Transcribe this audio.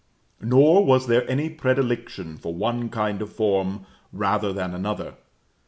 Nor was there any predilection for one kind of form rather than another.